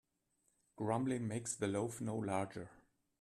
Grumbling makes the loaf no larger.